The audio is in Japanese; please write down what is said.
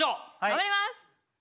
頑張ります！